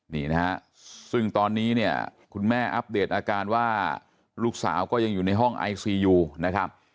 นี่นะฮะซึ่งตอนนี้เนี่ยคุณแม่อัปเดตอาการว่าลูกสาวก็ยังอยู่ในห้องไอซียูนะครับ